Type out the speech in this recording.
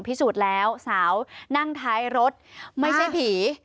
พิสูจน์แล้วสาวนั่งท้ายรถไม่ใช่ผี